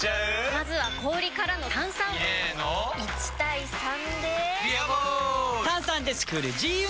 まずは氷からの炭酸！入れの１：３で「ビアボール」！